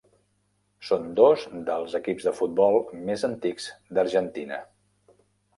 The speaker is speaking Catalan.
Són dos dels equips de futbol més antics d'Argentina.